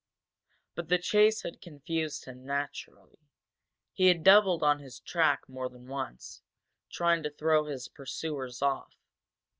But the chase had confused him, naturally. He had doubled on his track more than once, trying to throw his pursuers off.